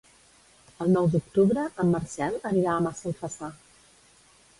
El nou d'octubre en Marcel anirà a Massalfassar.